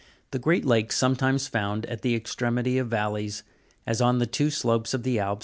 The great lakes sometimes found at the extremity of valleys, as on the two slopes of the Alp.